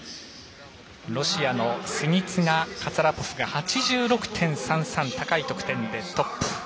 ロシアのシニツィナ、カツァラポフが８６．３３高い得点でトップ。